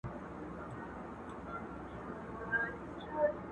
چي د ځوانیو هدیرې وژاړم.!